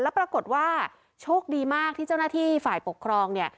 แล้วปรากฏว่าโชคดีมากที่เจ้าหน้าที่ฝ่ายปกครองเนี่ย